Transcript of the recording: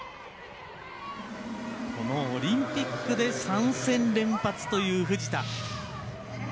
このオリンピックで３戦連発という藤田。